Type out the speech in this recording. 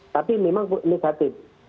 tapi memang negatif